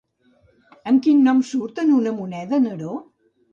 Amb quin nom surt en una moneda de Neró?